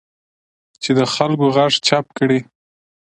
چې د خلکو غږ چپ کړي